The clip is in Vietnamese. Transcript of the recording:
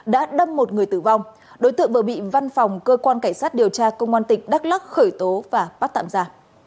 đã đâm một người tử vong đối tượng vừa bị văn phòng cơ quan cảnh sát điều tra công an tỉnh đắk lắc khởi tố và bắt tạm ra